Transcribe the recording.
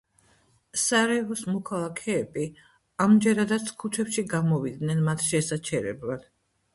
სარაევოს მოქალაქეები ამჯერადაც ქუჩებში გამოვიდნენ მათ შესაჩერებლად.